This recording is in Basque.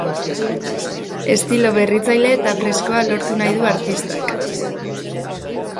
Estilo berritzaile eta freskoa lortu nahi du artistak.